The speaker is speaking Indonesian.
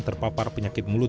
terpapar penyakit mulut